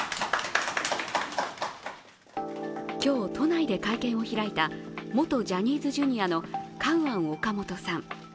今日、都内で会見を開いた元ジャニーズＪｒ．のカウアン・オカモトさん。